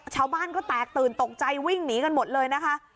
ชาวบ้านก็แตกตื่นตกใจวิ่งหนีกันหมดเลยนะคะ